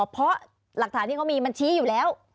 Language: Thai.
เพราะหลักฐานที่เขามีมันชี้อยู่แล้ว